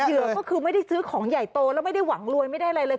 เหยื่อก็คือไม่ได้ซื้อของใหญ่โตแล้วไม่ได้หวังรวยไม่ได้อะไรเลย